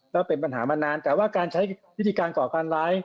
แล้วเป็นปัญหามานานแต่ว่าการใช้วิธีการก่อการร้าย